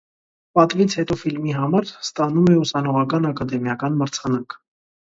«Պատվից հետո» ֆիլմի համար ստանանում է ուսանողական ակադեմիական մրցանակ։